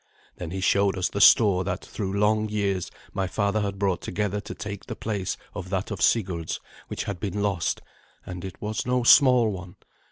Then he showed us the store that, through long years, my father had brought together to take the place of that of Sigurd's which had been lost; and it was no small one.